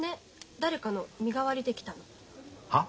誰かの身代わりで来たの。は？